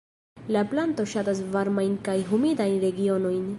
La planto ŝatas varmajn kaj humidajn regionojn.